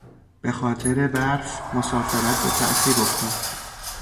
به خاطر برف مسافرت به تاخیر افتاد.